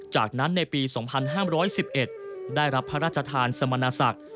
จากนั้นในปี๒๕๑๑ได้รับพระราชทานสมณศักดิ์